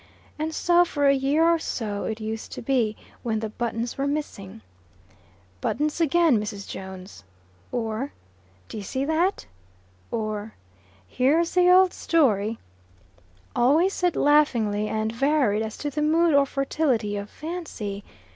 And so for a year or so it used to be when the buttons were missing: "Buttons again, Mrs. Jones;" or "D'ye see that?" or "Here's the old story" Always said laughingly, and varied as to the mood or fertility of fancy.